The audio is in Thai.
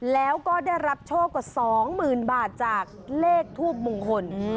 แล้วก็ได้รับโชคกว่าสองหมื่นบาทจากเลขทูปมงคล